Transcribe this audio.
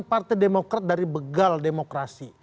partai demokrat dari begal demokrasi